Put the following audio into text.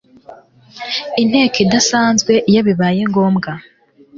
inteko idasanzwe iyo bibaye ngombwa